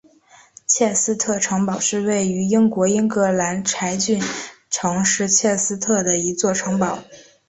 切斯特城堡是位于英国英格兰柴郡城市切斯特的一座城堡。